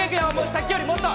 さっきよりもっと。